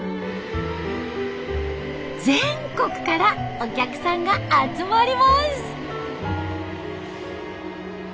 全国からお客さんが集まります。